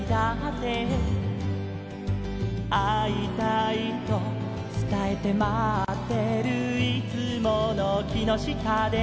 「会いたいとつたえて待ってるいつもの木の下で」